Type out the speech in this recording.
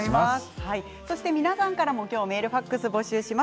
皆さんからも今日メール、ファックスを募集します。